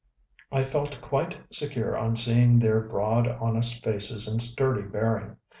I felt quite secure on seeing their broad honest faces and sturdy bearing.